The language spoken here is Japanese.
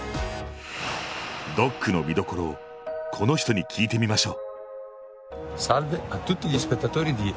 ＤＯＣの見どころをこの人に聞いてみましょう！